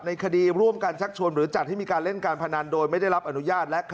คดีร่วมกันชักชวนหรือจัดให้มีการเล่นการพนันโดยไม่ได้รับอนุญาต